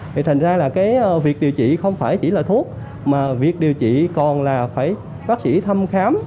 thì thành ra là cái việc điều trị không phải chỉ là thuốc mà việc điều trị còn là phải bác sĩ thăm khám